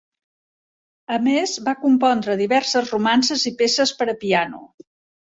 A més va compondre diverses romances i peces per a piano.